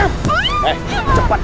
kau ga apa apa